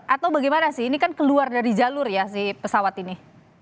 atau bagaimana sih ini kan keluar dari jalur ya si pesawat ini